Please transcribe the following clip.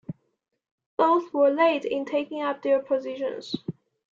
Both were late in taking up their positions.